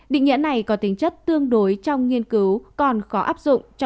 định nghĩa này có tính chất tương đối trong nghiên cứu còn khó áp dụng trong thực tế